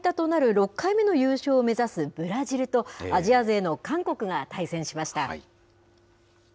６回目の優勝を目指すブラジルと、アジア勢の韓国が対戦しました。